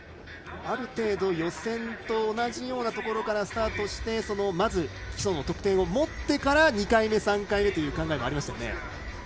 ある程度、予選と同じようなところからスタートして基礎の得点を持ってから２回目、３回目という考えもありましたよね。